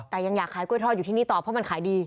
แต่ยังอยากขายกล้วยทอดอยู่ที่นี่ต่อเพราะมันขายดี